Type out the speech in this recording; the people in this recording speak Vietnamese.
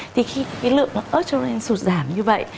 thì khi lượng estrogen sụt giảm như vậy